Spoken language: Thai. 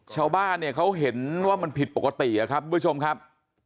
ชาวบ้านเนี่ยเขาเห็นว่ามันผิดปกติครับทุกผู้ชมครับ